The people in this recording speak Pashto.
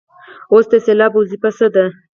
اوس د سېلاب وظیفه څه ده.